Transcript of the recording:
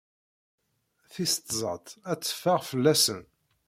Tis tẓat ad teffeɣ fell-asent.